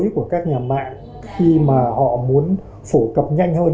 của các nhà mạng khi mà họ muốn phổ cập nhanh hơn